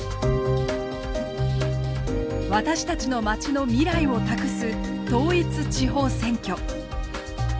私たちのまちの未来を託す統一地方選挙。